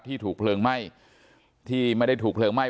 ถูกเพลิงไหม้ที่ไม่ได้ถูกเพลิงไหม้